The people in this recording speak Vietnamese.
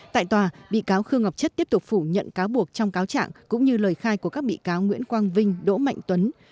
tại tòa bị cáo khương ngọc chất tiếp tục phủ nhận cáo buộc trong cáo trạng cũng như lời khai của các bị cáo nguyễn quang vinh đỗ mạnh tuấn